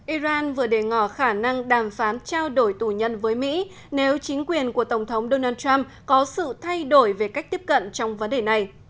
iran vừa để ngỏ khả năng đàm phán trao đổi tù nhân với mỹ nếu chính quyền của tổng thống donald trump có sự thay đổi về cách tiếp cận trong vấn đề này